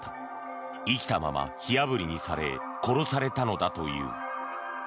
生きたまま火あぶりにされ殺されたのだという。